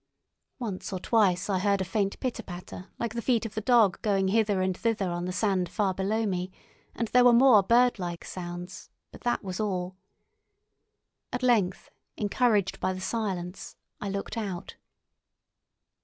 Once or twice I heard a faint pitter patter like the feet of the dog going hither and thither on the sand far below me, and there were more birdlike sounds, but that was all. At length, encouraged by the silence, I looked out.